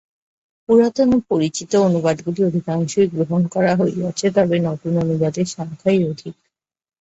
পুরাতন ও পরিচিত অনুবাদগুলি অধিকাংশই গ্রহণ করা হইয়াছে, তবে নূতন অনুবাদের সংখ্যাই অধিক।